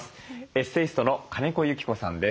エッセイストの金子由紀子さんです。